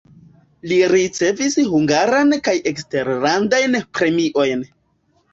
Li ricevis hungaran kaj eksterlandajn premiojn.